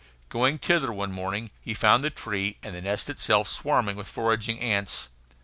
Going thither one morning, he found the tree, and the nest itself, swarming with foraging ants.